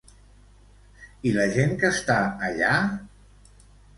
I la gent que està allà?